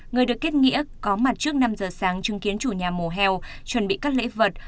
người được kết nghĩa có mặt trước năm giờ sáng chứng kiến chủ nhà mùa hèo chuẩn bị các lễ vật